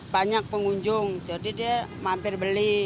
banyak pengunjung jadi dia mampir beli